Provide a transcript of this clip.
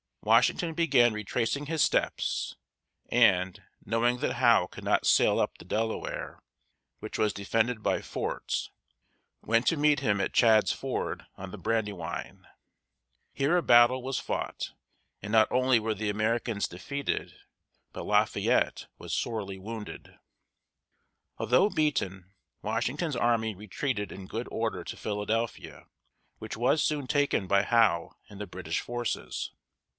Washington began retracing his steps, and, knowing that Howe could not sail up the Delaware, which was defended by forts, went to meet him at Chadds Ford on the Bran´dy wine (1777). Here a battle was fought, and not only were the Americans defeated, but Lafayette was sorely wounded. Although beaten, Washington's army retreated in good order to Philadelphia, which was soon taken by Howe and the British forces.